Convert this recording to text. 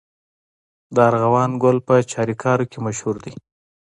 د ارغوان ګل په چاریکار کې مشهور دی.